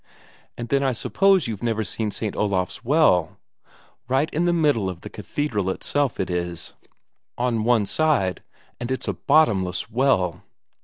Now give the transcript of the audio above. "And then I suppose you've never seen St. Olaf's Well? Right in the middle of the cathedral itself, it is, on one side, and it's a bottomless well.